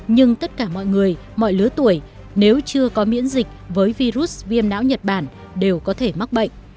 nhưng tất cả mọi người mọi lứa tuổi nếu chưa có miễn dịch với virus viêm não nhật bản đều có thể mắc bệnh